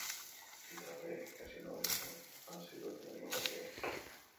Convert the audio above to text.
Bi taldeek ezin hobeto hasi dute denboraldia.